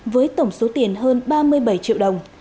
với tổng số tiền hơn ba mươi bảy triệu đồng